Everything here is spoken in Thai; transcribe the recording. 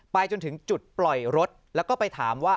จนถึงจุดปล่อยรถแล้วก็ไปถามว่า